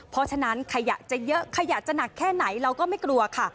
เพราะฉะนั้นขยะจะเยอะขยะจะหนักแค่ไหนเราก็ไม่กลัวค่ะ